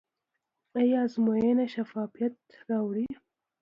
آیا ازموینه شفافیت راوړي؟